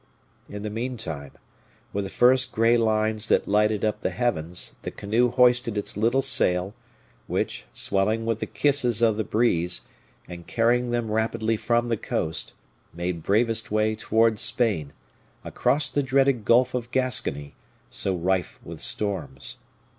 In the meantime, with the first gray lines that lighted up the heavens, the canoe hoisted its little sail, which, swelling with the kisses of the breeze, and carrying them rapidly from the coast, made bravest way towards Spain, across the dreaded Gulf of Gascony, so rife with storms.